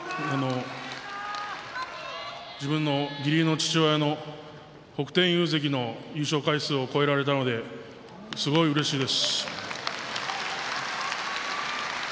自分の義理の父親の北天佑関の優勝回数を超えられたのですごいうれしいです。